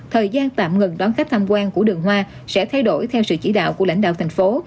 thời gian tạm ngừng đón khách tham quan của đường hoa sẽ thay đổi theo sự chỉ đạo của lãnh đạo thành phố